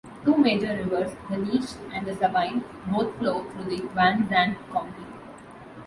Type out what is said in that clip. Two major rivers, the Neches and the Sabine both flow through Van Zandt County.